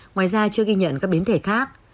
ngoài ra chưa ghi nhận các biến thể khác